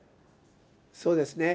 そうですね。